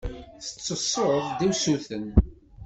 Tettessuḍ-d usuten.